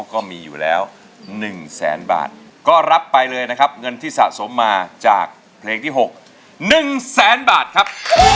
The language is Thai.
คือคราคคอแซนครับ